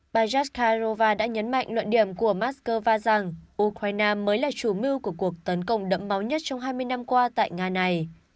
bà jaskharova đã nhấn mạnh luận điểm của moscow rằng ukraine mới là chủ mưu của cuộc tấn công đẫm máu nhất trong hai mươi năm qua tại nga này